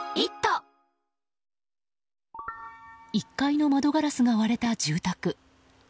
１階の窓ガラスが割れた住宅。